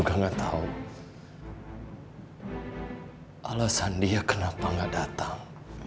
dan aku juga gak tahu alasan dia kenapa gak datang